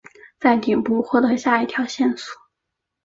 在顶部获得下一条线索。